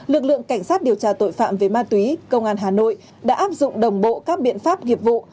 lực lượng cảnh sát điều tra tội phạm về ma túy công an hà nội đã áp dụng đồng bộ các biện pháp nghiệp vụ